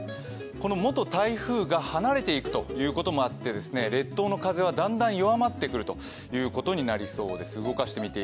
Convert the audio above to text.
この元台風が離れていくということもあって、列島の風はだんだん弱まってくることになりそうです。